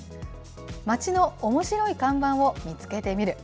町のおもしろい看板を見つけてみる。